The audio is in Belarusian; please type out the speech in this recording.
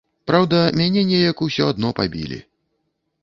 Праўда, мяне неяк усё адно пабілі.